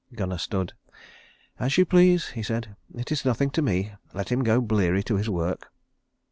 Gunnar stood. "As you please," he said. "It is nothing to me. Let him go bleary to his work."